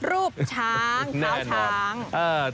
รูปช้างเท้าช้าง